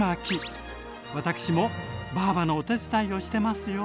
私もばぁばのお手伝いをしてますよ。